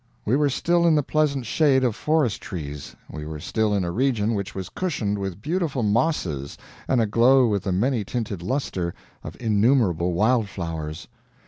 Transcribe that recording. We were still in the pleasant shade of forest trees, we were still in a region which was cushioned with beautiful mosses and aglow with the many tinted luster of innumerable wild flowers.